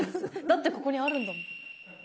だってここにあるんだもん。